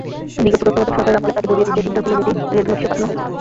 বিগত তত্ত্বাবধায়ক সরকারের আমলে তাঁকে ধরিয়ে দিতে ইন্টারপোলে রেড নোটিশও পাঠানো হয়েছিল।